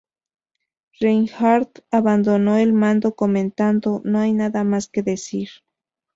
Reinhardt abandonó el mando comentando "No hay nada más que decir".